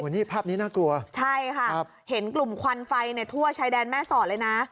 นี่ภาพนี้น่ากลัวใช่ค่ะเห็นกลุ่มควันไฟทั่วชายแดนแม่สอดเลยนะ